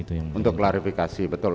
untuk klarifikasi betul